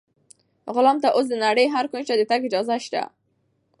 غلام ته اوس د نړۍ هر کونج ته د تګ اجازه شته.